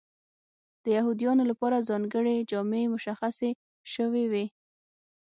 د یهودیانو لپاره ځانګړې جامې مشخصې شوې وې.